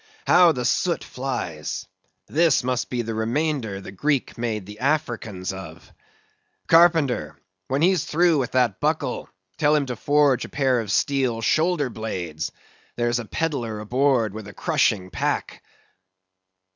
How the soot flies! This must be the remainder the Greek made the Africans of. Carpenter, when he's through with that buckle, tell him to forge a pair of steel shoulder blades; there's a pedlar aboard with a crushing pack.